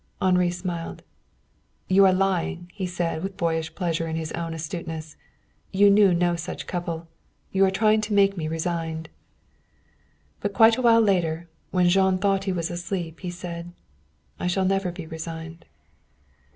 Henri smiled. "You are lying," he said with boyish pleasure in his own astuteness. "You knew no such couple. You are trying to make me resigned." But quite a little later, when Jean thought he was asleep, he said: "I shall never be resigned."